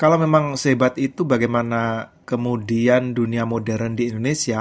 kalau memang sehebat itu bagaimana kemudian dunia modern di indonesia